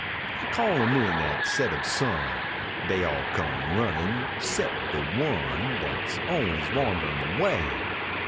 I called em in at set ob sun : Dey all come runnin sep de one Dat s always wanderin away.